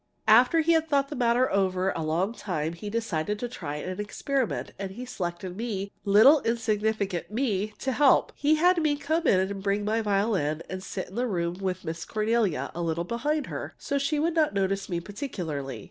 After he had thought the matter over a long time he decided to try an experiment. And he selected me little, insignificant me to help! He had me come in and bring my violin and sit in the room with Miss Cornelia, a little behind her, so she would not notice me particularly.